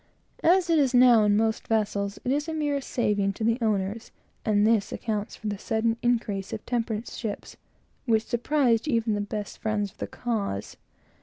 As it is now, in most vessels, it is a mere saving to the owners; and this accounts for the sudden increase of temperance ships, which surprised even the best friends of the cause.